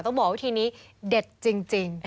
ต้องบอกวิธีนี้เด็ดจริง